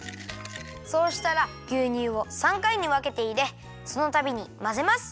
そうしたらぎゅうにゅうを３かいにわけていれそのたびにまぜます。